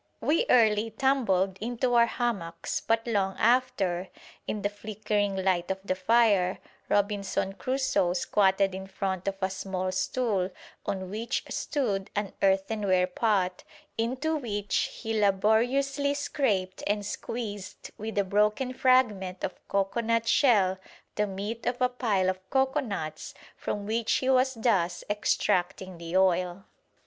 We early tumbled into our hammocks, but long after, in the flickering light of the fire, Robinson Crusoe squatted in front of a small stool on which stood an earthenware pot, into which he laboriously scraped and squeezed with a broken fragment of cocoanut shell the meat of a pile of cocoanuts from which he was thus extracting the oil.